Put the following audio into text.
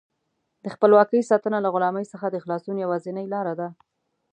د خپلواکۍ ساتنه له غلامۍ څخه د خلاصون یوازینۍ لاره ده.